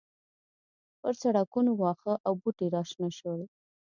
پر سړکونو واښه او بوټي راشنه شول